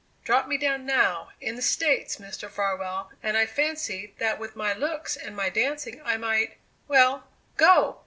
"Drop me down, now, in the States, Mr. Farwell, and I fancy that with my looks and my dancing I might well, go!